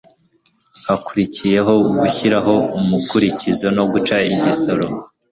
hakurikiraho gushyiraho umukurikizo no guca igisoro,